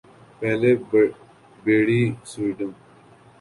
پہلے battery sodium